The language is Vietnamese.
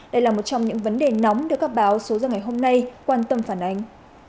đây là một trong những vấn đề nóng được các báo số ra ngày hôm nay quan tâm phản ánh